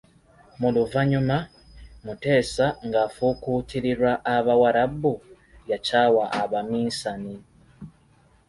Mu luvannyuma, Mutesa ng'afukuutirirwa Abawarabu, yakyawa Abaminsani.